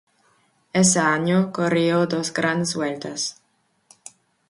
Ese año corrió dos grandes vueltas.